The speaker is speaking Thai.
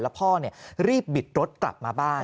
แล้วพ่อรีบบิดรถกลับมาบ้าน